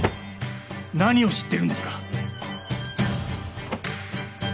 何を知ってるんですか！？